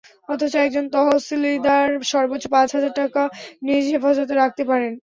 অথচ একজন তহশিলদার সর্বোচ্চ পাঁচ হাজার টাকা নিজ হেফাজতে রাখতে পারেন।